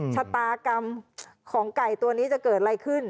ชะตากรรมของไก่ตัวนี้จะเกิดอะไรขึ้น